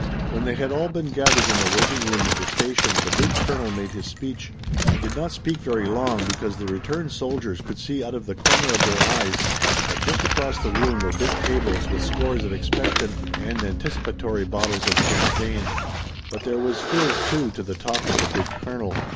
When they had all been gathered in the waiting room of the station the big colonel made his speech. He did not speak very long because the returned soldiers could see out of the corner of their eyes that just across the room were big tables with scores of expectant and anticipatory bottles of champagne. But there was fizz, too, to the talk of the big colonel.